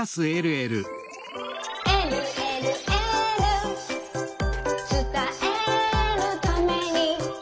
「えるえるエール」「つたえるために」